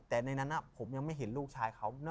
แต่ในนั้นผมยังไม่เห็นลูกชายเขา